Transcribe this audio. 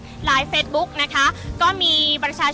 เชื่อหรือเกินค่ะคุณผู้ชมว่าข้ามคืนนี้นะคะแสงเพียรนับพันนับร้อยเล่มนะคะ